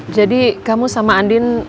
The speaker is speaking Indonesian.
jadi kamu sama andin